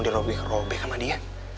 dirobek robek sama dia